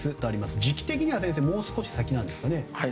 時期的にはもう少し先なんですかね。